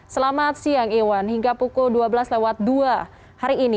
selamat siang iwan hingga pukul dua belas dua hari ini